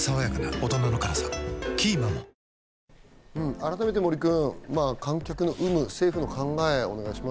改めて観客の有無、政府の考えをお願いします。